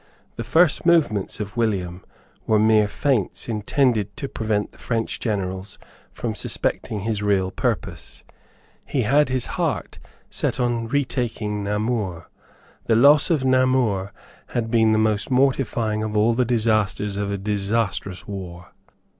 The first movements of William were mere feints intended to prevent the French generals from suspecting his real purpose. He had set his heart on retaking Namur. The loss of Namur had been the most mortifying of all the disasters of a disastrous war.